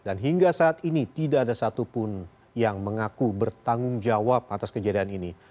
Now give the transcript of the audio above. hingga saat ini tidak ada satupun yang mengaku bertanggung jawab atas kejadian ini